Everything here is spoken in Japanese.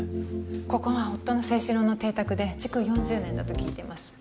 ここは夫の征四郎の邸宅で築４０年だと聞いてます